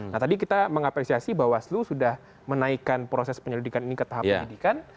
nah tadi kita mengapresiasi bahwa slu sudah menaikkan proses penyelidikan ini ke tahap pendidikan